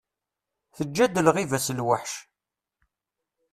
Teǧǧa-d lɣiba-s lweḥc.